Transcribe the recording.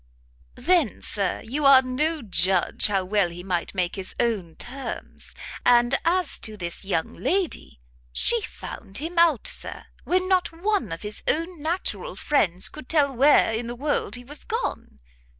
"Then, Sir, you are no judge how well he might make his own terms. And as to this young lady, she found him out, Sir, when not one of his own natural friends could tell where in the world he was gone!